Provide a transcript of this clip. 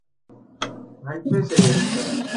گھٹنے سے ایڑی تک